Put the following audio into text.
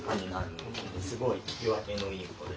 すごい聞き分けのいい子で。